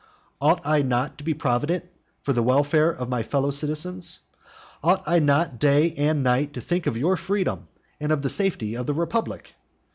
Ought I not to be provident for the welfare of my fellow citizens? Ought I not day and night to think of your freedom and of the safety of the republic?